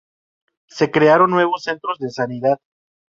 Se crearon nuevos centros de sanidad.